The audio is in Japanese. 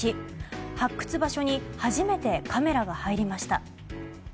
発掘場所に初めてカメラが入りました。